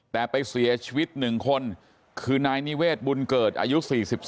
แต่ไปเสียชีวิต๑คนคือนายนิเวศบุญเกิดอายุ๔๒